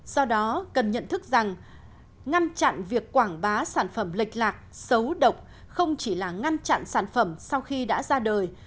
do đó cần nhận thức rằng ngăn chặn việc quảng bá sản phẩm lệch lạc xấu độc không chỉ là ngăn chặn sản phẩm sau khi đã ra đời